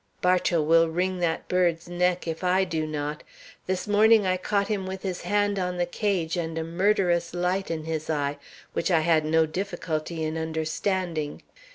"Bartow will wring that bird's neck if I do not. This morning I caught him with his hand on the cage and a murderous light in his eye, which I had no difficulty in understanding.